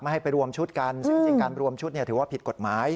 ให้ไปรวมชุดกันซึ่งจริงการรวมชุดถือว่าผิดกฎหมาย